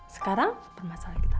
sekarang permasalahan kita